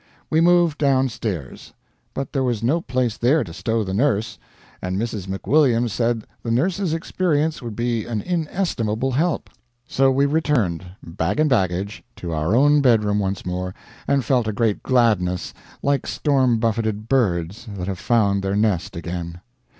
We moved down stairs; but there was no place there to stow the nurse, and Mrs. McWilliams said the nurse's experience would be an inestimable help. So we returned, bag and baggage, to our own bedroom once more, and felt a great gladness, like storm buffeted birds that have found their nest again.